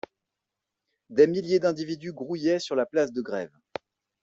Des milliers d'individus grouillaient sur la place de Grève.